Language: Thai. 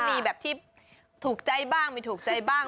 มีแบบที่ถูกใจบ้างไม่ถูกใจบ้าง